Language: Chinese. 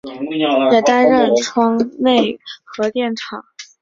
也担任川内核电厂差止诉讼原告团副团长。